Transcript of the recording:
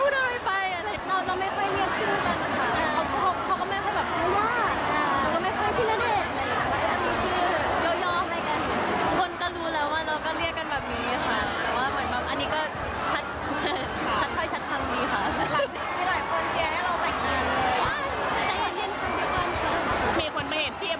เราจะพยายามมีชื่อยอให้กัน